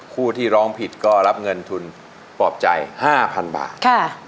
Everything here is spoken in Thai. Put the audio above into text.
ผู้ที่ร้องผิดก็รับเงินทุนปลอบใจ๕๐๐๐บาท